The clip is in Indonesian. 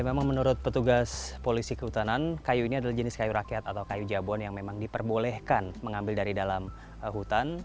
memang menurut petugas polisi kehutanan kayu ini adalah jenis kayu rakyat atau kayu jabon yang memang diperbolehkan mengambil dari dalam hutan